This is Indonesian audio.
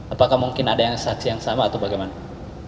apakah mungkin ada yang saksi yang sama atau bagaimana